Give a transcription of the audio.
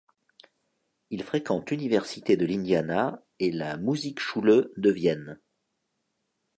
Il fréquente l'Université de l'Indiana et la Musikschule de Vienne.